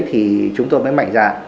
thì chúng tôi mới mạnh dạ